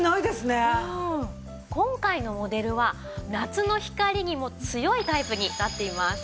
今回のモデルは夏の光にも強いタイプになっています。